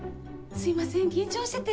すいません緊張してて。